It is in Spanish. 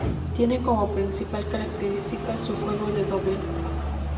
Tiene como principal característica su juego de dobles.